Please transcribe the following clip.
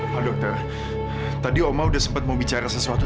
pak dokter tadi omah udah sempat mau bicara sesuatu